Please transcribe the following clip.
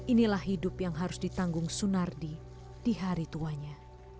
inilah hidup yang harus ditanggung sunardi di hari tuanya